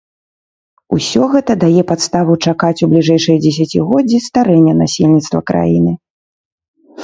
Усё гэта дае падставу чакаць у бліжэйшыя дзесяцігоддзі старэння насельніцтва краіны.